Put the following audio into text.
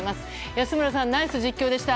安村さん、ナイス実況でした。